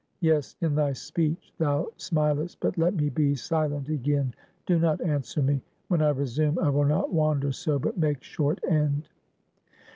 Yes; in thy speech, thou smilest. But let me be silent again. Do not answer me. When I resume, I will not wander so, but make short end."